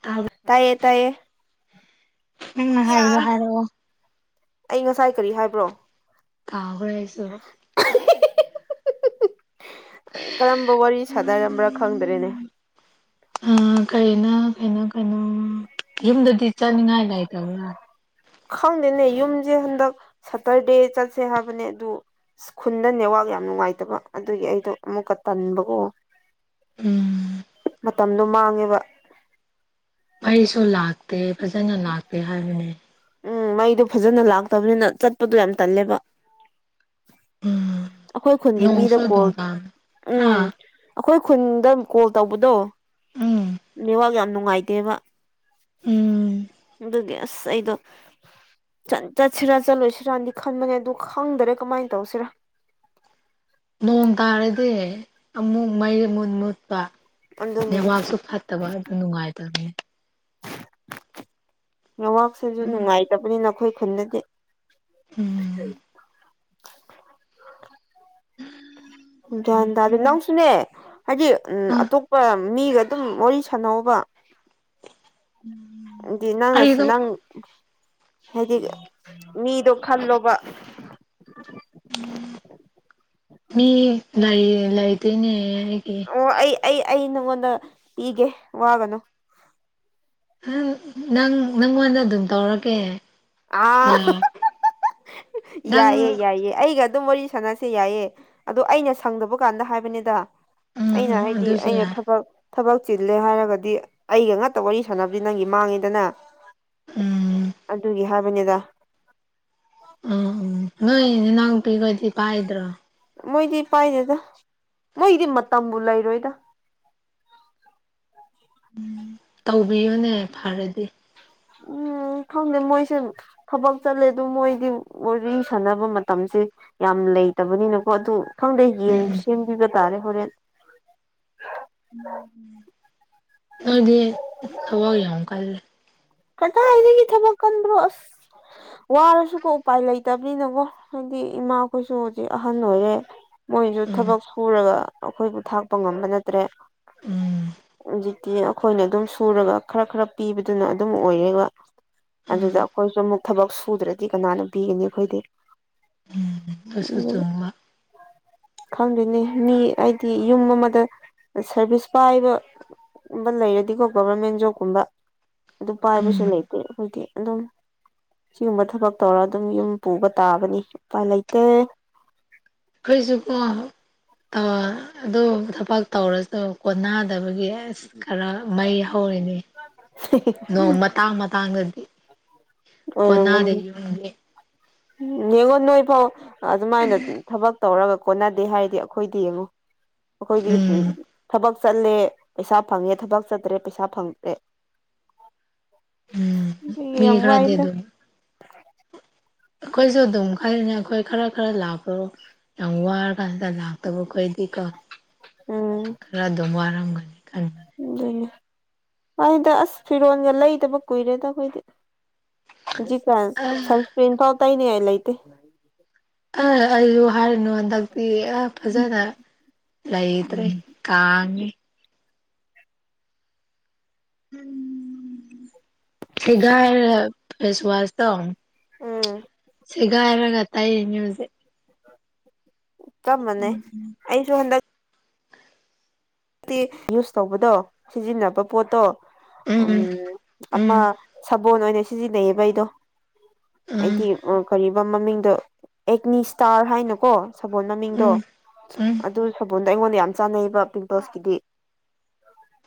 ꯇꯥꯏ ꯇꯥꯏꯌꯦ ꯇꯥꯏꯌꯦ ꯅꯪꯅ ꯌꯥ ꯍꯥꯏꯕꯗꯣ ꯍꯥꯏꯔꯛꯑꯣ ꯑꯩ ꯉꯁꯥꯏ ꯀꯔꯤ ꯍꯥꯏꯕ꯭ꯔꯣ ꯀꯥꯎꯒ꯭ꯔꯦ ꯑꯩꯁꯨ ꯀꯔꯝꯕ ꯋꯥꯔꯤ ꯁꯥꯗꯔꯝꯕ꯭ꯔꯥ ꯈꯪꯗ꯭ꯔꯦꯅꯦ [inaudible] ꯑ ꯀꯔꯤꯩꯅ ꯀꯩꯅꯣ ꯀꯩꯅꯣ ꯌꯨꯝꯗꯗꯤ ꯆꯠꯅꯤꯡꯉꯥꯏ ꯂꯩꯇꯕ꯭ꯔꯥ ꯈꯪꯗꯦꯅꯦ ꯌꯨꯝꯁꯦ ꯍꯟꯗꯛ ꯁꯇꯔꯗꯦ ꯆꯠꯁꯦ ꯍꯥꯏꯕꯅꯦ ꯑꯗꯨ ꯈꯨꯟꯗ ꯅꯦꯋꯥꯛ ꯌꯥꯝ ꯅꯨꯡꯉꯥꯏꯇꯕ ꯑꯗꯨꯒꯤ ꯑꯩꯗꯣ ꯑꯃꯨꯛꯀ ꯇꯟꯕꯀꯣ ꯎꯝ ꯃꯇꯝꯗꯣ ꯃꯥꯡꯉꯦꯕ ꯃꯩꯁꯨ ꯂꯥꯛꯇꯦ ꯐꯖꯅ ꯂꯥꯛꯇꯦ ꯍꯥꯏꯕꯅꯦ ꯎꯝ ꯃꯩꯗꯣ ꯐꯖꯅ ꯂꯥꯛꯇꯕꯅꯤꯅ ꯆꯠꯄꯗꯣ ꯌꯥꯝ ꯇꯜꯂꯦꯕ ꯎꯝ ꯑꯩꯈꯣꯏ ꯈꯨꯟꯒꯤ ꯅꯣꯡꯁꯨ ꯃꯤꯗ ꯑꯗꯨꯝ ꯀꯣꯜ ꯇꯥꯕꯅꯦ ꯎꯝ ꯍꯥꯥ ꯑꯩꯈꯣꯏ ꯈꯨꯟꯗ ꯀꯣꯜ ꯇꯧꯕꯗꯣ ꯎꯝ ꯅꯦꯠꯋꯥꯛ ꯌꯥꯝ ꯅꯨꯡꯉꯥꯏꯇꯦꯕ ꯎꯝ ꯑꯗꯨꯗꯨꯒꯤ ꯑꯁ ꯑꯩꯗꯣ ꯆꯠꯁꯤꯔꯥ ꯆꯠꯂꯨꯁꯤꯔꯗꯤ ꯈꯟꯕꯅꯦ ꯑꯗꯨ ꯈꯪꯗꯔꯦ ꯀꯃꯥꯏꯅ ꯇꯧꯁꯤꯔꯥ ꯅꯣꯡ ꯇꯥꯔꯗꯤ ꯑꯃꯨꯛ ꯃꯩ ꯃꯨꯟ ꯃꯨꯠꯄ ꯑꯗꯨꯅꯦ ꯅꯦꯠꯋꯥꯛꯁꯨ ꯐꯠꯇ ꯠꯇꯕ ꯑꯗꯨ ꯅꯨꯡꯉꯥꯏꯇꯕꯅꯦ ꯌꯋꯥꯛꯁꯤꯁꯨ ꯅꯨꯡꯉꯥꯏꯇꯕꯅꯤ ꯑꯥꯈꯣꯏ ꯈꯨꯟꯗꯗꯤ ꯎꯝ ꯒ꯭ꯌꯥꯟ ꯇꯥꯗꯦ ꯅꯪꯁꯨꯅꯦ ꯍꯥꯏꯗꯤ ꯎ ꯑ ꯑꯇꯣꯞꯄ ꯃꯤꯒ ꯑꯗꯨꯝ ꯋꯥꯔꯤ ꯁꯥꯟꯅꯧꯕ ꯍꯥꯏꯗꯤ ꯅꯪꯅꯁꯨ ꯑꯩꯗꯣ ꯅꯪ ꯍꯥꯏꯗꯤ ꯃꯤꯗꯣ ꯈꯜꯂꯣꯕ ꯃꯤ ꯂꯥꯏ ꯂꯥꯏꯇꯅꯦ ꯑꯩꯗꯤ ꯑꯣ ꯑꯩ ꯑꯩ ꯑꯩ ꯅꯪꯉꯣꯟꯗ ꯄꯤꯒꯦ ꯋꯥꯒꯅꯨ ꯅꯪ ꯅꯪꯉꯣꯟꯗ ꯑꯗꯨꯝ ꯇꯧꯔꯛꯀꯦ ꯑ ꯌꯥꯏꯑꯦ ꯅꯪ ꯌꯥꯏꯌꯦꯑꯦ ꯑꯩꯒ ꯑꯗꯨꯝ ꯋꯥꯔꯤ ꯁꯥꯟꯅꯁꯦ ꯌꯥꯏꯌꯦ ꯑꯗꯣ ꯑꯩꯅ ꯁꯪꯗꯕ ꯀꯥꯟꯗ ꯍꯥꯏꯕꯅꯤꯗ ꯎꯝ ꯑꯩꯅ ꯎꯝ ꯍꯥꯏꯗꯤ ꯑꯗꯨꯁꯨ ꯑꯩꯅ ꯌꯥꯏ ꯊꯕꯛ ꯊꯕꯛ ꯆꯤꯜꯂꯦ ꯍꯥꯏꯔꯒꯗꯤ ꯑꯩꯒ ꯉꯥꯛꯇ ꯋꯥꯔꯤ ꯁꯥꯟꯅꯕꯗꯤ ꯅꯪꯒꯤ ꯃꯥꯡꯉꯤꯗꯅ ꯎꯝ ꯑꯗꯨꯒꯤ ꯍꯥꯏꯕꯅꯤꯗ ꯎ ꯅꯣꯏ ꯅꯥꯎꯄꯤ ꯈꯣꯏꯗꯤ ꯄꯥꯏꯗ꯭ꯔꯣ ꯃꯣꯏꯗꯤ ꯄꯥꯏꯗꯦꯗ ꯃꯣꯏꯗꯤ ꯃꯇꯝꯕꯨ ꯂꯩꯔꯣꯏꯗ ꯎꯝ ꯇꯧꯕꯤꯌꯨꯅꯦ ꯐꯔꯗꯤ ꯎꯝ ꯈꯪꯗꯦ ꯃꯣꯏꯁꯨ ꯊꯕꯛ ꯆꯠꯂꯦ ꯑꯗꯨ ꯃꯣꯏꯗꯤ ꯋꯥꯔꯤ ꯁꯥꯟꯅꯕ ꯃꯇꯝꯁꯦ ꯌꯥꯝ ꯂꯩꯇꯕꯅꯤꯅꯀꯣ ꯑꯗꯨ ꯈꯪꯗꯦ ꯎꯝ ꯁꯦꯝꯕꯤꯕ ꯇꯥꯔꯦ ꯍꯣꯔꯦꯟ ꯅꯣꯏꯗꯤ ꯊꯕꯛ ꯌꯥꯝ ꯀꯜꯂꯦ ꯀꯗꯥꯏꯗꯒꯤ ꯊꯕꯛ ꯀꯟꯕ꯭ꯔꯣ ꯑꯁ ꯋꯥꯔꯁꯨꯀꯣ ꯎꯄꯥꯏ ꯂꯩꯇꯕꯅꯤꯅꯕꯣ ꯍꯥꯏꯗꯤ ꯏꯃꯥꯈꯣꯏꯁꯨ ꯍꯧꯖꯤꯛ ꯑꯍꯟ ꯑꯣꯏꯔꯦ ꯃꯣꯏꯁꯨ ꯎꯝ ꯊꯕꯛ ꯁꯨꯔꯒ ꯑꯩꯈꯣꯏꯕꯨ ꯊꯥꯛꯄ ꯉꯝꯕ ꯅꯠꯇ꯭ꯔꯦ ꯎꯝ ꯍꯧꯖꯤꯛꯇꯤ ꯑꯩꯈꯣꯏꯅ ꯑꯗꯨꯝ ꯁꯨꯔꯒ ꯈꯔ ꯈꯔ ꯄꯤꯕꯗꯨꯅ ꯑꯗꯨꯝ ꯑꯣꯏꯔꯦꯕ ꯎꯝ ꯑꯗꯨꯗ ꯑꯩꯈꯣꯏꯁꯨ ꯑꯃꯨꯛ ꯊꯕꯛ ꯁꯨꯗ꯭ꯔꯗꯤ ꯀꯅꯥꯅ ꯄꯤꯒꯅꯤ ꯑꯩꯈꯣꯏꯗꯤ ꯎꯝ ꯄꯁꯥ ꯆꯕ [unintelligible] ꯈꯪꯗꯣꯏꯅꯦ ꯃꯤ ꯍꯥꯏꯗꯤ ꯌꯨꯝ ꯑꯃꯗ ꯁꯔꯚꯤꯁ ꯄꯥꯏꯕ ꯕ ꯂꯩꯔꯗꯤꯀꯣ ꯒꯣꯕꯔꯃꯦꯟ ꯖꯣꯕꯀꯨꯝꯕ ꯑꯗꯨ ꯄꯥꯏꯕꯁꯨ ꯎꯝ ꯂꯩꯇꯦ ꯑꯩꯈꯣꯏꯗꯤ ꯑꯗꯨꯝ ꯁꯤꯒꯨꯝꯕ ꯊꯕꯛ ꯇꯧꯔꯒ ꯑꯗꯨꯝ ꯌꯨꯝ ꯄꯨꯕ ꯇꯥꯕꯅꯤ ꯎꯄꯥꯏ ꯂꯩꯇꯦ ꯑꯩꯈꯩꯁꯨꯀꯣ ꯑ ꯑꯗꯨ ꯊꯕꯛ ꯇꯧꯔꯁꯨ ꯀꯣꯟꯅꯗꯕꯒꯤ ꯑꯁ ꯈꯔ ꯃꯩ ꯍꯧꯔꯤꯅꯤ ꯅꯣꯡ ꯃꯇꯥꯡ ꯃꯇꯥꯡꯗꯗꯤ ꯀꯣꯟꯅꯥꯗꯦ ꯌꯨꯝꯒꯤꯃꯤ ꯅꯦꯡꯉꯣ ꯅꯣꯏ ꯐꯥꯎ ꯑꯗꯨꯃꯥꯏꯅ ꯊꯕꯛ ꯇꯧꯔꯒ ꯀꯣꯟꯅꯗꯦ ꯍꯥꯏꯔꯗꯤ ꯑꯩꯈꯣꯏꯗꯤ ꯌꯦꯡꯉꯨ ꯑꯩꯈꯣꯏꯗꯤ ꯎꯝ ꯊꯕꯛ ꯆꯠꯂꯦ ꯄꯩꯁꯥ ꯐꯪꯉꯦ ꯊꯕꯛ ꯆꯠꯇ꯭ꯔꯦ ꯄꯩꯁꯥ ꯐꯪꯇꯦ ꯎꯝ ꯃꯤ ꯌꯥꯝ ꯈꯔꯗꯤ ꯋꯥꯏꯗ ꯑꯗꯨꯝ ꯑꯩꯈꯣꯏꯁꯨ ꯑꯗꯨꯝ ꯈꯜꯂꯤꯅꯦ ꯑꯩꯈꯣꯏ ꯈꯔ ꯈꯔ ꯂꯥꯛꯄꯔꯣ ꯌꯥꯝ ꯋꯥꯔ ꯀꯥꯟꯗ ꯇꯟꯖꯥꯛꯇꯕ ꯑꯈꯣꯏꯗꯤꯀꯣ ꯈꯔ ꯑꯗꯨꯝ ꯋꯥꯔꯝꯒꯅꯤ ꯈꯟꯕꯅꯦ ꯑꯗꯨꯏꯅꯦ ꯍꯣꯏꯗ ꯑꯁ ꯐꯤꯔꯣꯟꯒ ꯂꯩꯗꯕ ꯀꯨꯏꯔꯦꯗ ꯑꯩꯈꯣꯏꯗꯤ ꯍꯨꯖꯤꯛ ꯀꯥꯟ ꯑ ꯁꯟꯁꯀ꯭ꯔꯤꯟ ꯐꯥꯎ ꯇꯩꯅꯤꯉꯥꯏ ꯂꯩꯇꯦ [unintelligible] ꯍꯥꯏꯔꯨꯅꯨ ꯍꯟꯗꯛꯇꯤ ꯑ ꯐꯖꯅ ꯂꯩꯇ꯭ꯔꯦ ꯀꯥꯡꯉꯦ ꯁꯦꯒꯥꯏꯔꯒ ꯐꯦꯁ ꯋꯥꯁ ꯇꯣ ꯎꯝ ꯁꯦꯒꯥꯏꯔꯒ ꯇꯩꯔꯤꯅꯦ ꯍꯨꯖꯤꯛ ꯆꯞ ꯃꯥꯟꯅꯩ ꯑꯩꯁꯨ ꯍꯟꯗꯛ ꯇꯤ ꯌꯨꯁ ꯇꯧꯕꯗꯣ ꯁꯤꯖꯤꯟꯅꯕ ꯄꯣꯠꯇꯣ ꯎꯝ ꯎꯝ ꯑꯃ ꯁꯥꯕꯣꯟ ꯑꯣꯏꯅ ꯁꯤꯖꯤꯟꯅꯩꯌꯦꯕ ꯑꯩꯗꯣ ꯎꯝ ꯍꯥꯏꯗꯤ ꯑꯥ ꯀꯔꯤꯕ ꯃꯃꯤꯡꯗꯣ ꯑꯦꯛꯅꯤ ꯁ꯭ꯇꯥꯔ ꯍꯥꯏꯅꯀꯣ ꯁꯕꯣꯟ ꯃꯃꯤꯡꯗꯣ ꯎꯝ ꯎꯝ ꯑꯗꯨ ꯁꯕꯣꯟꯗꯣ ꯑꯩꯉꯣꯟꯗ ꯌꯥꯝ ꯆꯥꯟꯅꯩꯌꯦꯕ ꯄꯤꯝꯄꯜꯁꯀꯤꯗꯤ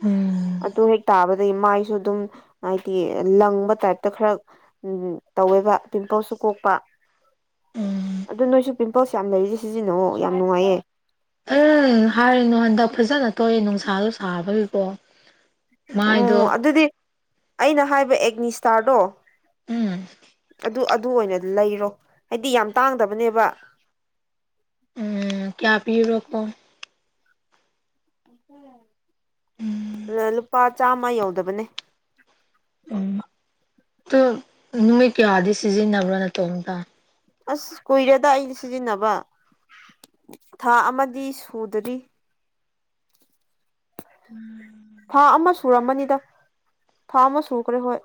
ꯎꯝ ꯑꯗꯨ ꯍꯦꯛ ꯇꯥꯕ ꯑꯗꯩ ꯃꯥꯏꯁꯨ ꯑꯗꯨꯝ ꯍꯥꯏꯗꯤ ꯂꯪꯕ ꯇꯥꯏꯞꯇ ꯈꯔ ꯎꯝ ꯇꯧꯋꯦꯕ ꯄꯤꯝꯄꯜꯁꯨ ꯀꯣꯛꯄ ꯎꯝ ꯑꯗꯨ ꯅꯣꯏꯁꯨ ꯄꯤꯝꯄꯜꯁ ꯌꯥꯝ ꯂꯩꯔꯗꯤ ꯁꯤꯖꯤꯟꯅꯧꯋꯣ ꯌꯥꯝ ꯅꯨꯡꯉꯥꯏꯌꯦ ꯑ ꯍꯥꯏꯔꯤꯅꯣ ꯍꯟꯗꯛ ꯐꯖꯅ ꯊꯣꯛꯑꯦ ꯅꯨꯡꯁꯥꯗꯣ ꯁꯥꯕꯒꯤꯀꯣ ꯃꯥꯏꯗꯣ ꯎꯝ ꯑꯗꯨꯗꯤ ꯑꯩꯅ ꯍꯥꯏꯕ ꯑꯦꯛꯅꯤ ꯁ꯭ꯇꯥꯔꯗꯣ ꯎꯝ ꯇꯨ ꯑꯗꯨ ꯑꯣꯏꯅ ꯂꯩꯔꯣ ꯍꯥꯏꯗꯤ ꯌꯥꯝ ꯇꯥꯡꯗꯕꯅꯦꯕ ꯎꯝ ꯀꯌꯥ ꯄꯤꯔꯣꯀꯣ ꯂꯥ ꯂꯨꯄꯥ ꯆꯥꯝꯃ ꯌꯧꯗꯕꯅꯦ ꯎꯝ ꯇꯨ ꯅꯨꯃꯤꯠ ꯀꯌꯥꯗꯤ ꯁꯤꯖꯤꯟꯅꯕ꯭ꯔꯣ ꯅꯥꯇꯣꯝꯇ ꯑꯁ ꯀꯨꯏꯔꯦꯗ ꯑꯩꯗꯤ ꯁꯤꯖꯤꯟꯅꯕ ꯊꯥ ꯑꯃꯗꯤ ꯁꯨꯗꯔꯤ ꯎꯝ ꯊꯥ ꯑꯃ ꯁꯨꯔꯝꯃꯅꯤꯗ ꯊꯥ ꯑꯃ ꯁꯩꯈ꯭ꯔꯦ ꯍꯣꯏ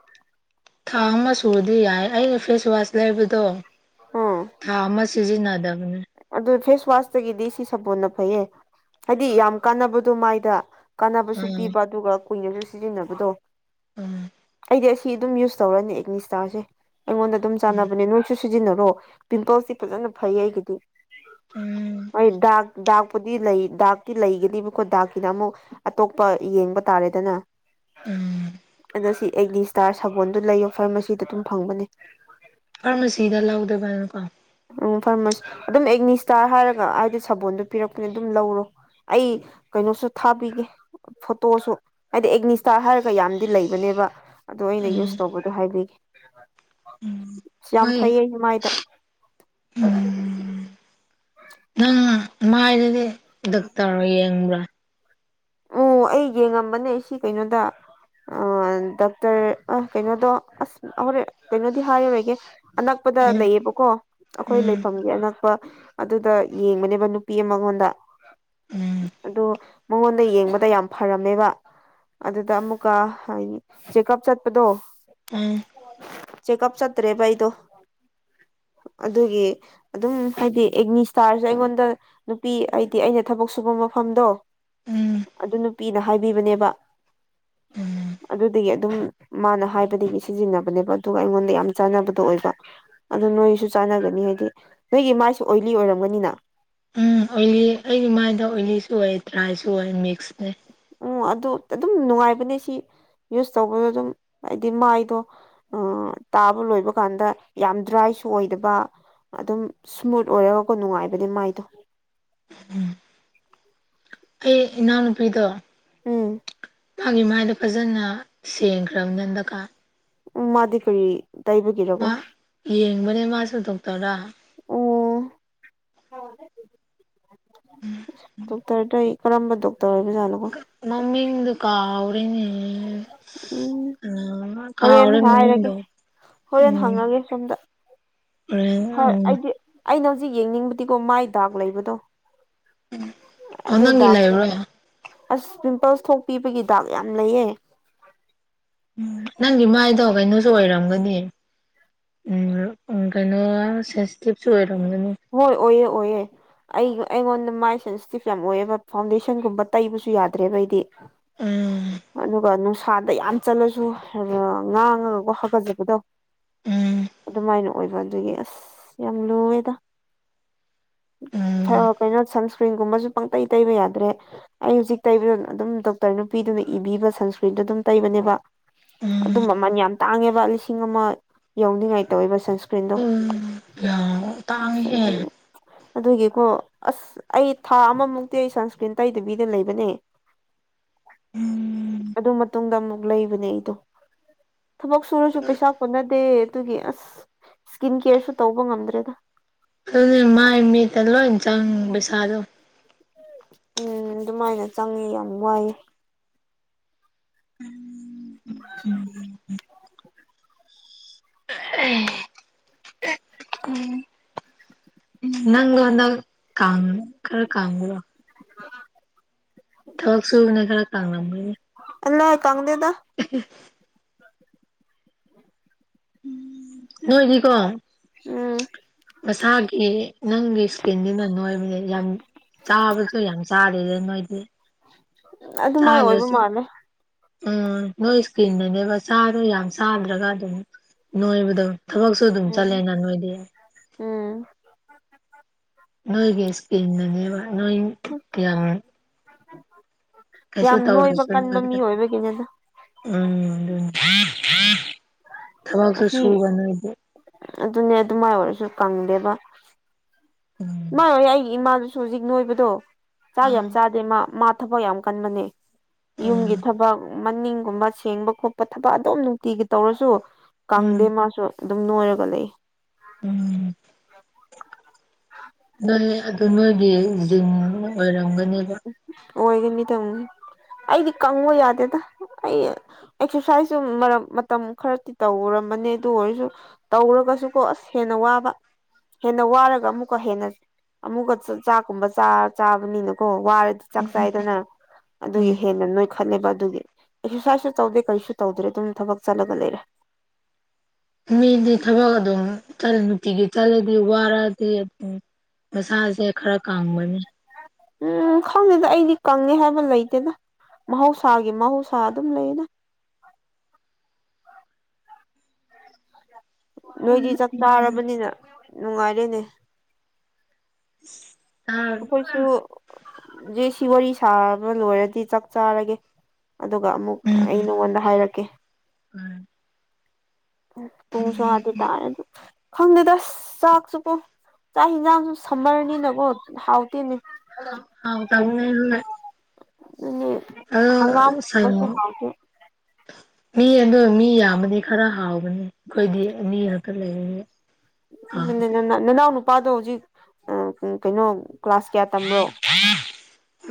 ꯊꯥ ꯑꯃ ꯁꯨꯔꯗꯤ ꯌꯥꯏ ꯑꯩꯅ‌ ꯐꯦꯁꯋꯥꯁ ꯂꯩꯕꯗꯣ ꯎꯝ ꯊꯥ ꯑꯃ ꯁꯤꯖꯤꯟꯅꯥꯗꯕꯅꯦ ꯑꯗꯨ ꯐꯦꯁ ꯋꯥꯁꯇꯒꯤꯗꯤ ꯁꯤ ꯁꯥꯄꯣꯟꯅ ꯐꯩꯌꯦ ꯍꯥꯏꯗꯤ ꯌꯥꯝ ꯀꯥꯟꯅꯕꯗꯣ ꯃꯥꯏꯗ ꯀꯥꯟꯅꯕꯁꯨ ꯎꯝ ꯄꯤꯕ ꯑꯗꯨꯒ ꯀꯨꯏꯅꯁꯨ ꯁꯤꯖꯤꯟꯅꯕꯗꯣ ꯎꯝ ꯑꯩꯗꯤ ꯑꯁꯤ ꯑꯗꯨꯝ ꯌꯨꯁ ꯇꯧꯔꯅꯤ ꯑꯦꯛꯅꯤ ꯁ꯭ꯇꯥꯔꯁꯦ ꯑꯩꯉꯣꯟꯗ ꯑꯗꯨꯝ ꯆꯥꯟꯅꯕꯅꯦ ꯅꯣꯏꯁꯨ ꯁꯤꯖꯤꯟꯅꯔꯣ ꯄꯤꯝꯄꯜꯁ ꯇꯤ ꯐꯖꯅ ꯐꯩꯌꯦ ꯑꯩꯒꯤꯗꯤ ꯎꯝ ꯍꯣꯏ ꯗꯥꯛ ꯗꯥꯛ ꯨꯄꯨꯗꯤ ꯂꯩ ꯗꯥꯛꯇꯤ ꯂꯩꯒꯅꯦꯕꯀꯣ ꯗꯥꯛꯀꯤꯅ ꯑꯃꯨꯛ ꯑꯇꯣꯞꯄ ꯌꯦꯡꯕ ꯇꯥꯔꯦꯗꯅ ꯎꯝ ꯑꯁꯤ ꯑꯦꯛꯅꯤꯁꯇ꯭ꯥꯔ ꯁꯥꯒꯣꯟꯗꯨ ꯂꯩꯌꯣ ꯐꯥꯔ ꯃꯥꯁꯤꯗ ꯑꯗꯨꯝ ꯐꯪꯕꯅꯦ꯫ ꯐꯥꯔꯃꯥꯁꯤꯗ ꯂꯧꯗꯕꯅꯀꯣ꯫ ꯎꯝ ꯐꯥꯔꯃꯁꯤ ꯑꯗꯨꯝ ꯑꯦꯛꯅꯤꯁꯇ꯭ꯥꯔ ꯍꯥꯏꯔꯒ ꯍꯥꯏꯗꯤ ꯁꯥꯕꯣꯟꯗꯨ ꯄꯤꯔꯛꯄꯅꯦ ꯑꯗꯨꯝ ꯂꯧꯔꯣ꯫ ꯑꯩ ꯀꯩꯅꯣꯁꯨ ꯊꯥꯕꯤꯒꯦ꯫ ꯐꯣꯇꯣꯁꯨ ꯍꯥꯏꯗꯤ ꯑꯦꯛꯅꯤꯁꯇ꯭ꯥꯔ ꯍꯥꯏꯔꯒ ꯌꯥꯝꯅꯗꯤ ꯂꯩꯕꯅꯦꯕ꯫ ꯑꯗꯣ ꯑꯩꯅ ꯌꯨꯁ ꯇꯧꯕꯗꯣ ꯍꯥꯏꯕꯤꯒꯦ ꯑꯁ ꯌꯥꯝ ꯍꯣꯏ ꯐꯩꯌꯦ ꯑꯩ ꯃꯥꯏꯗ꯫ [inaudible] ꯅꯪ ꯃꯥꯏꯗꯗꯤ ꯗꯛꯇꯔ ꯌꯦꯡꯕ꯭ꯔꯥ ꯎ ꯑꯩ ꯌꯦꯡꯉꯝꯕꯅꯦ ꯁꯤ ꯀꯩꯅꯣꯗ꯫ ꯑ ꯗꯥꯛꯇꯔ ꯑ ꯀꯩꯅꯣꯗꯣ ꯑꯁ ꯍꯣꯔꯦꯟ ꯀꯩꯅꯣꯗꯤ ꯍꯥꯏꯔꯔꯣꯏꯒꯦ꯫ ꯑꯅꯛꯄꯗ ꯎꯝ ꯂꯩꯌꯦꯕꯀꯣ ꯑꯩꯈꯣꯏ ꯎꯝ ꯂꯩꯐꯝꯒꯤ ꯑꯅꯛ ꯄ ꯑꯗꯨꯗ ꯌꯦꯡꯕꯅꯦꯕ ꯅꯨꯄꯤ ꯑꯃꯉꯣꯟꯗ ꯎꯝ ꯑꯗꯣ꯫ ꯃꯉꯣꯟꯗ ꯌꯦꯡꯕ꯫ ꯌꯥꯝ ꯐꯔꯝꯃꯦꯕ ꯑꯗꯨꯗ ꯑꯃꯨꯛꯀ ꯆꯦꯛꯀꯞ ꯆꯠꯄꯗꯣ ꯎꯝ ꯆꯦꯛꯀꯞ ꯆꯠꯇ꯭ꯔꯦꯕ ꯑꯩꯗꯣ ꯑꯗꯨꯒꯤ꯫ ꯑꯗꯨꯝ ꯍꯥꯏꯗꯤ ꯑꯦꯛꯅꯤ ꯁꯇ꯭ꯥꯔꯁꯦ ꯑꯩꯉꯣꯟꯗ ꯅꯨꯄꯤ ꯍꯥꯏꯗꯤ ꯑꯩꯅ ꯊꯕꯛ ꯁꯨꯕ ꯃꯐꯝꯗꯣ꯫ ꯎꯝ ꯑꯗꯨ ꯅꯨꯄꯤꯅ ꯍꯥꯏꯕꯤꯕꯅꯦꯕ꯫ ꯎꯝ ꯑꯗꯨꯗꯒꯤ ꯑꯗꯨꯝ ꯃꯥꯅ ꯍꯥꯏꯕꯗꯒꯤ ꯁꯤꯖꯤꯟꯅꯕꯅꯦꯕ ꯑꯗꯨꯒ ꯑꯩꯉꯣꯟꯗ ꯌꯥꯝ ꯆꯥꯟꯅꯕꯗꯣ ꯑꯣꯏꯕ꯫ ꯑꯗꯨ ꯅꯣꯏꯁꯨ ꯆꯥꯟꯅꯒꯅꯤ ꯍꯥꯏꯗꯤ ꯅꯣꯏꯒꯤ ꯃꯥꯏꯁꯨ ꯑꯣꯏꯂꯤ ꯑꯣꯏꯔꯝꯒꯅꯤꯅ꯫ ꯎꯝ ꯑꯣꯏꯂꯤ ꯑꯩꯒꯤ ꯃꯥꯏꯗ ꯑꯣꯏꯂꯤꯁꯨ ꯑꯣꯏꯌꯦ ꯗꯔ꯭ꯥꯏꯁꯨ ꯑꯣꯏꯌꯦ ꯃꯤꯛꯁꯅꯦ꯫ ꯎꯝ ꯑꯗꯨ ꯑꯗꯨꯝ ꯅꯨꯡꯉꯥꯏꯕꯅꯦ ꯁꯤ ꯌꯨꯁ ꯇꯧꯕꯗ ꯑꯗꯨꯝ ꯍꯥꯏꯗꯤ ꯃꯥꯏꯗꯣ꯫ ꯑꯥ ꯇꯥꯕ ꯂꯣꯏꯕ ꯀꯥꯟꯗ ꯌꯥꯝ ꯗ꯭ꯔꯥꯏꯁꯨ ꯑꯣꯏꯗꯕ ꯑꯗꯨꯝ ꯁꯃꯨꯠ ꯑꯣꯏꯔꯒꯀꯣ ꯅꯨꯡꯉꯥꯏꯕꯅꯦ ꯃꯥꯏꯗꯣ꯫ ꯑꯩ ꯏꯅꯥꯎꯅꯨꯄꯤꯗꯣ꯫ ꯎꯝ꯫ ꯃꯥꯒꯤ ꯃꯥꯏꯗꯣ ꯐꯖꯅ ꯁꯦꯡꯈ꯭ꯔꯕꯅꯦ ꯍꯟꯗꯛꯀꯥꯟ ꯎꯝ ꯃꯥꯗꯤ ꯀꯔꯤ ꯇꯩꯕꯒꯤꯔꯀꯣ ꯃꯥ ꯌꯦꯡꯕꯅꯦ ꯃꯥꯁꯨ ꯗꯣꯛꯇꯔꯗ ꯑꯣ ꯑꯁ ꯗꯣꯛꯇꯔꯗꯩ ꯀꯔꯝꯕ ꯗꯣꯛꯇꯔ ꯑꯣꯏꯕꯖꯠꯅꯣꯒꯣ꯫ ꯃꯃꯤꯗꯣ ꯀꯥꯎꯔꯦꯅꯦ꯫ ꯎꯝ ꯀꯅꯥ ꯍꯣꯔꯦꯟ ꯀꯥꯎꯔꯦ ꯍꯥꯏꯔꯒꯦ꯫ ꯃꯃꯤꯡꯗꯣ ꯍꯣꯔꯦꯟ ꯎꯝ ꯍꯪꯉꯒꯦ ꯁꯣꯝꯗ ꯍꯣꯔꯦꯟ ꯍꯣꯏ ꯎꯝ ꯑꯩꯗꯤ ꯑꯩꯅ ꯍꯧꯖꯤꯛ ꯌꯦꯡꯅꯤꯡꯕꯗꯤꯀꯣ ꯃꯥꯏ ꯗꯥꯛ ꯂꯩꯕꯗꯣ꯫ ꯑꯣ ꯑꯗꯨ ꯅꯪꯒꯤ ꯗꯥꯛ ꯂꯩꯕ꯭ꯔꯣ ꯑꯁ ꯄꯤꯝꯄꯜꯁ ꯊꯣꯛꯄꯤꯕꯒꯤ ꯗꯥꯛ ꯌꯥꯝ ꯂꯩꯌꯦ꯫ [inaudible] ꯎꯝ ꯅꯪꯒꯤ ꯃꯥꯏꯗꯣ ꯒꯩꯅꯣ ꯁꯨ ꯑꯣꯏꯔꯝꯒꯅꯤ ꯎꯝ ꯎꯝ ꯀꯩꯅꯣ ꯁꯦꯟꯁꯤꯇꯤꯞꯁꯨ ꯑꯣꯏꯔꯝꯒꯅꯤ ꯍꯣꯏ ꯑꯣꯏꯌꯦ ꯑꯣꯏꯌꯦ ꯑꯩ ꯑꯩꯉꯣꯟꯗ ꯃꯥꯏ ꯁꯦꯟꯁꯤꯇꯤꯞ ꯌꯥꯝ ꯑꯣꯏꯑꯦꯕ ꯐꯥꯎꯟꯗꯦꯁꯟꯒꯨꯝꯕ ꯇꯩꯕꯁꯨ ꯌꯥꯗ꯭ꯔꯦꯕ ꯑꯩꯗꯤ ꯎꯝ ꯑꯗꯨꯒ ꯅꯨꯡꯁꯥꯗ ꯌꯥꯝ ꯆꯠꯂꯁꯨ ꯉꯥꯡꯉꯒꯀꯣ ꯍꯥ ꯍꯥꯒꯠꯆꯕꯗꯣ ꯎꯝ ꯑꯗꯨꯃꯥꯏꯅ ꯑꯣꯏꯕ ꯑꯗꯨꯒꯤ ꯑꯁ ꯌꯥꯝ ꯂꯨꯑꯦꯗ ꯎꯝ ꯁꯔꯞ ꯀꯩꯅꯣ ꯁꯟꯁꯀ꯭ꯔꯤꯟꯒꯨꯝꯕꯖꯨ ꯄꯪ ꯇꯩ ꯇꯩꯕ ꯌꯥꯗ꯭ꯔꯦ ꯑꯩ ꯍꯧꯖꯤꯛ ꯇꯩꯕꯗ ꯑꯗꯨꯝ ꯗꯣꯛꯇꯔ ꯅꯨꯄꯤꯗꯨꯅ ꯏꯕꯤꯕ ꯁꯟꯁꯀ꯭ꯔꯤꯟꯗꯨ ꯑꯗꯨꯝ ꯇꯩꯕꯅꯦꯕ ꯎꯝ ꯑꯗꯨ ꯃꯃꯟ ꯌꯥꯝ ꯇꯥꯡꯉꯦꯕ ꯂꯤꯁꯤꯡ ꯑꯃ ꯌꯧꯅꯤꯡꯉꯥꯏ ꯇꯧꯋꯦꯕ ꯁꯟꯁꯀ꯭ꯔꯤꯟ ꯎꯝ ꯌꯥꯎ ꯑꯁ ꯑꯗꯨ ꯑꯗꯨꯒꯤꯀꯣ ꯑꯁ ꯑꯩ ꯊꯥ ꯑꯃꯃꯨꯛꯇꯤ ꯑꯩ ꯁꯟꯁꯀ꯭ꯔꯤꯟ ꯇꯩꯗꯕꯤꯗ ꯂꯩꯕꯅꯦ [inaudible] ꯑꯗꯨ ꯃꯇꯨꯡꯗ ꯑꯃꯨꯛ ꯂꯩꯕꯅꯦ ꯑꯩꯗꯣ ꯊꯕꯛ ꯁꯨꯔꯁꯨ ꯄꯩꯁꯥ ꯀꯣꯟꯅꯗꯦ ꯑꯗꯨꯒꯤ ꯑꯁ ꯏꯁꯀꯤꯟ ꯀꯦꯌꯔꯁꯨ ꯇꯧꯕ ꯉꯝꯗ꯭ꯔꯦꯗ ꯑꯗꯨꯅ ꯃꯥꯏ ꯃꯤꯠꯇ ꯂꯣꯏ ꯆꯪ ꯁꯥꯥꯗꯣ ꯎꯝ ꯑꯗꯨꯃꯥꯏꯅ ꯆꯪꯉꯦ ꯌꯥꯝ ꯋꯥꯏꯌꯦ [unintelligible] [unintelligible] ꯅꯪꯗꯣ ꯍꯟꯗꯛ ꯀꯥꯥꯡ ꯈꯔ ꯀꯥꯡꯕꯔꯣ [unintelligible] ꯊꯕꯛ ꯁꯨꯕꯅ ꯈꯔ ꯇꯥꯡꯂꯝꯒꯅꯤ ꯑꯂꯥꯏ ꯀꯪꯗꯦꯗ [unintelligible] ꯅꯣꯏꯗꯤꯀꯣ ꯎꯝ ꯃꯁꯥꯒꯤ ꯅꯪꯒꯤ ꯏꯁꯀꯤꯟꯗꯨꯅ ꯅꯣꯏꯕꯅꯦ ꯌꯥꯝ ꯆꯥꯕꯖꯨ ꯌꯥꯝ ꯆꯥ ꯑꯗꯨꯗ ꯅꯣꯏꯗꯤ ꯑꯗꯨꯃꯥꯏ ꯑꯣꯏꯕ ꯆꯥꯗ꯭ꯔꯁꯨ ꯃꯥꯜꯂꯦ ꯎꯝ ꯅꯣꯏ ꯏꯁꯀꯤꯟꯗꯨꯅꯦꯕ ꯆꯥꯗꯣ ꯌꯥꯝ ꯆꯥꯗ꯭ꯔꯒ ꯑꯗꯨꯝ ꯅꯣꯏꯕꯗꯧ ꯊꯕꯛꯁꯨ ꯑꯗꯨꯝ ꯎꯝ ꯆꯠꯂꯦꯅ ꯅꯣꯏꯗꯤ ꯎꯝ ꯅꯣꯏꯒꯤ ꯏꯁꯀꯤꯗꯨꯅꯦꯕ ꯅꯣꯏ ꯌꯥꯝ ꯀꯩꯁꯨ ꯌꯥꯝ ꯅꯣꯏꯕ ꯇꯧꯔꯁꯨ [unintelligible] ꯎꯝ ꯀꯟꯕ ꯃꯤ ꯑꯣꯏꯕꯒꯤꯅꯤꯗ ꯑꯗꯨꯅꯤ ꯊꯕꯛꯁꯨ ꯑꯁꯤ ꯁꯨꯕ ꯅꯣꯏꯗꯤ ꯑꯗꯨꯅꯦ ꯑꯗꯨꯃꯥꯏ ꯑꯣꯏꯔꯁꯨ ꯀꯪꯗꯦꯕ [inaudible] ꯏꯃ ꯍꯧꯌꯤꯛ ꯑꯩꯒꯤ ꯏꯃꯥꯗꯨꯁꯨ ꯍꯧꯖꯤꯛ ꯅꯣꯏꯕꯗꯣ ꯆꯥꯛ ꯌꯥꯝ ꯎꯝ ꯆꯥꯗꯦ ꯃꯥ ꯃꯥ ꯊꯕꯛ ꯌꯥꯝ ꯀꯟꯕꯅꯦ ꯎꯝ ꯌꯨꯝꯒꯤ ꯊꯕꯛ ꯃꯅꯤꯡꯒꯨꯝꯕ ꯁꯦꯡꯕ ꯈꯣꯠꯄ ꯊꯕꯛ ꯑꯗꯨꯝ ꯅꯨꯡꯇꯤꯒꯤ ꯇꯧꯔꯁꯨ ꯎꯝ ꯀꯪꯗꯦ ꯃꯥꯁꯨ ꯑꯗꯨꯝ ꯅꯣꯏꯔꯒ ꯂꯩ ꯎꯝ ꯅꯣꯏ ꯑꯗꯨ ꯅꯣꯏꯒꯤ ꯖꯤꯟ ꯑꯣꯏꯔꯝꯒꯅꯦꯕ ꯑꯣꯏꯒꯅꯤ ꯗꯝ ꯑꯩꯗꯤ ꯀꯪꯉꯣ ꯌꯥꯗꯦꯗ ꯑꯩ ꯑꯦꯛꯁꯔꯁꯥꯏꯖꯁꯨ ꯃꯔꯛ ꯃꯇꯝ ꯈꯔꯗꯤ ꯇꯧꯔꯕꯅꯤ ꯑꯗꯨ ꯑꯣꯏꯔꯁꯨ ꯇꯧꯔꯒꯁꯨ ꯀꯣ ꯑꯁ ꯍꯦꯟꯅ ꯋꯥꯕ ꯍꯦꯟꯅ ꯋꯥꯔꯒ ꯑꯃꯨꯛꯀ ꯍꯦꯟꯅ ꯑꯃꯨꯛꯀ ꯆꯥꯛꯀꯨꯝꯕ ꯆꯥ ꯆꯥꯕꯅꯤꯅ ꯀꯣ ꯋꯥꯔꯗꯤ ꯆꯥꯛ ꯆꯥꯏꯗꯅ ꯑꯗꯨꯒꯤ ꯍꯦꯟꯅ ꯅꯣꯏꯈꯠꯂꯦꯕ ꯑꯗꯨꯒꯤ ꯑꯦꯛꯁꯔꯁꯥꯏꯁꯁꯨ ꯇꯧꯗꯦ ꯀꯩꯁꯨ ꯇꯧꯗ꯭ꯔꯦ ꯑꯗꯨꯝ ꯊꯕꯛ ꯆꯠꯂꯒ ꯂꯩꯔꯦ ꯃꯤꯗꯤ ꯊꯕꯛ ꯑꯗꯨꯝ ꯆꯠ ꯅꯨꯇꯤꯒꯤ ꯆꯠꯂꯗꯤ ꯋꯥꯔꯗꯤ ꯑꯗꯨꯝ ꯃꯁꯥꯁꯦ ꯈꯔ ꯀꯪꯕꯅꯤ ꯎꯝ ꯈꯪꯗꯦꯗ ꯑꯩꯗꯤ ꯀꯪꯉꯦ ꯍꯥꯏꯕ ꯂꯩꯇꯦꯗ ꯃꯍꯧꯁꯥꯒꯤ ꯃꯍꯧꯁꯥ ꯑꯗꯨꯝ ꯂꯩꯌꯦꯗ꯫ ꯅꯣꯏꯗꯤ ꯆꯥꯛ ꯆꯥꯔꯕꯅꯤꯅ ꯅꯨꯡꯉꯥꯏꯔꯦꯅꯦ꯫ [unintelligible] ꯑꯩꯈꯣꯏꯁꯨ ꯖꯦꯁꯤ ꯋꯥꯔꯤ ꯁꯥꯕ ꯂꯣꯏꯔꯗꯤ ꯆꯥꯛ ꯆꯥꯔꯒꯦ꯫ ꯑꯗꯨꯒ ꯑꯃꯨꯛ ꯑꯩ ꯅꯉꯣꯟꯗ ꯍꯥꯏꯔꯛꯀꯦ꯫ ꯎꯝ ꯄꯨꯡꯁꯨ [unintelligible] ꯇꯔꯦꯗꯨ꯫ ꯈꯪꯗꯦꯗ ꯆꯥꯛꯁꯨꯀꯣ ꯆꯥꯛ ꯍꯦꯟꯖꯥꯡꯁꯨ ꯁꯝꯃꯔꯅꯤꯅꯀꯣ ꯍꯥꯎꯇꯦꯅꯦ꯫ [unintelligible] ꯑꯗꯨꯅꯦ꯫ ꯍꯪꯒꯥꯝꯒꯨꯝꯕꯁꯨ [unintelligible] ꯍꯥꯎꯇꯦ ꯃꯤ ꯑꯗꯨ ꯃꯤ ꯌꯥꯝ ꯑꯃꯗꯤ ꯈꯔ ꯍꯥꯎꯕꯅꯤ ꯑꯩꯈꯣꯏꯗꯤ ꯑꯅꯤ ꯈꯛꯇ ꯂꯩꯔꯤꯅꯤ ꯑꯗꯨꯅꯦ ꯍꯥꯎꯗꯦ ꯅꯅꯥꯎ ꯅꯨꯄꯥꯗꯣ ꯍꯧꯖꯤꯛ ꯀꯩꯅꯣ ꯀ꯭ꯂꯥꯁ ꯀꯌꯥ ꯇꯝꯕ꯭ꯔꯣ?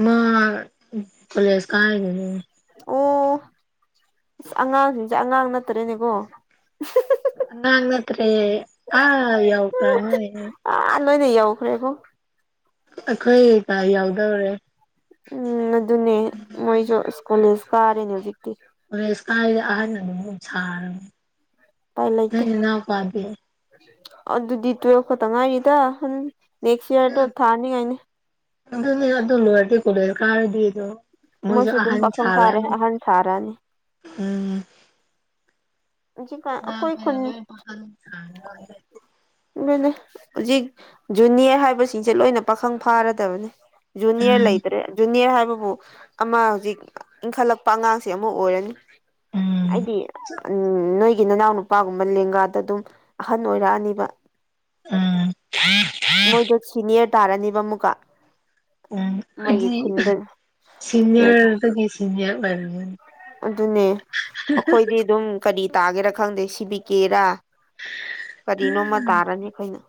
ꯃꯥ ꯀꯣꯂꯦꯁ ꯀꯥꯏꯕꯅꯤ꯫ ꯑꯣ ꯑꯁ ꯑꯉꯥꯡꯁꯤꯡꯁꯦ ꯑꯉꯥꯡ ꯅꯠꯇ꯭ꯔꯦꯅꯦꯀꯣ꯫ ꯑꯉꯥꯡ ꯅꯠꯇ꯭ꯔꯦ꯫ ꯑꯥ ꯌꯧꯈ꯭ꯔꯥꯕꯅꯥꯅꯦ꯫ ꯑꯥ ꯂꯣꯏꯅ ꯌꯧꯈ꯭ꯔꯦꯕꯣ꯫ ꯑꯩꯈꯣꯏ ꯀ ꯌꯧꯗꯧꯔꯦ꯫ ꯎꯝ ꯑꯗꯨꯅꯦ ꯃꯣꯏꯁꯨ ꯀꯣꯂꯦꯖ ꯀꯥꯔꯦꯅꯦ ꯍꯧꯖꯤꯛꯇꯤ꯫ ꯀꯣꯂꯦꯁ ꯀꯔꯗꯤ ꯑꯍꯟ ꯑꯗꯨꯝ ꯁꯥꯔꯅꯤ꯫ ꯎꯄꯥꯏ ꯂꯩꯇꯦ ꯑꯗꯨꯗꯤ ꯇꯨꯋꯦꯜꯐ ꯈꯛꯇ ꯉꯥꯏꯔꯤꯗ꯫ ꯅꯦꯛꯁ ꯌꯔꯗꯣ ꯊꯥꯅꯤ ꯉꯥꯏꯅꯦ꯫ ꯑꯗꯨꯅꯦ ꯑꯗꯨ ꯂꯣꯏꯔꯗꯤ ꯀꯣꯂꯦꯁ ꯀꯥꯔꯗꯤ ꯑꯗꯣ꯫ ꯃꯣꯏꯁꯨ ꯑꯗꯨꯝ ꯑꯍꯟ ꯄꯥꯈꯪ ꯐꯥꯔꯦ ꯁꯔꯛꯑꯅꯤ ꯑꯍꯟ ꯁꯥꯔꯛꯑꯅꯤ ꯎꯝ꯫ ꯍꯧꯖꯤꯛꯀꯥꯟ ꯑꯉꯥꯡ ꯑꯩꯈꯣꯏ ꯈꯩꯅ ꯈꯨꯟ ꯂꯣꯏꯅ ꯄꯈꯪ ꯁꯥꯔꯦ [unintelligible] ꯑꯗꯨꯅꯦ ꯍꯧꯖꯤꯛ ꯖꯨꯅꯤꯌꯔ ꯍꯥꯏꯕꯁꯤꯡꯁꯦ ꯂꯣꯏꯅ ꯄꯥꯈꯪ ꯐꯥꯔꯗꯕꯅꯤ꯫ ꯖꯨꯅꯤꯌꯔ ꯎꯝ ꯂꯩꯇ꯭ꯔꯦ ꯖꯨꯅꯤꯌꯔ ꯍꯥꯏꯕꯕꯨ ꯑꯃ ꯍꯧꯖꯤꯛ ꯏꯟꯈꯠꯂꯛꯄ ꯑꯉꯥꯡꯁꯦ ꯑꯃ ꯑꯣꯏꯔꯅꯤ꯫ ꯎꯝ ꯅꯣꯏꯒꯤ ꯅꯅꯥꯎ ꯅꯨꯄꯥꯒꯨꯝꯕ ꯂꯦꯡꯒꯥꯗ ꯑꯗꯨꯝ ꯑꯍꯟ ꯑꯣꯏꯔꯛꯑꯅꯤꯕ꯫ ꯎꯝ ꯃꯣꯏꯗ ꯁꯤꯅꯤꯌꯔ ꯇꯥꯔꯅꯤꯕ ꯑꯃꯨꯛꯀ꯫ ꯎꯝ ꯃꯣꯏꯒꯤ ꯍꯥꯏꯗꯤ ꯈꯨꯟꯗ ꯂꯩꯕ ꯁꯤꯅꯤꯌꯥꯔꯗꯒꯤ ꯁꯤꯅꯤꯌꯥꯔ ꯑꯣꯏꯔꯦꯕ꯫ ꯑꯗꯨꯅꯦ ꯑꯩꯈꯣꯏꯗꯤ ꯑꯗꯨꯝ ꯀꯔꯤ ꯇꯥꯒꯦꯔꯥ ꯈꯪꯗꯦ ꯁꯤꯕꯤꯀꯦꯔꯥ꯫ ꯀꯔꯤꯅꯣꯃ ꯇꯥꯔꯅꯤ ꯑꯩꯈꯣꯏꯅ꯫